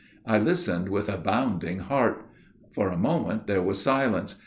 I listened with a bounding heart. For a moment there was silence.